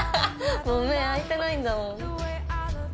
もう目開いてないんだもん。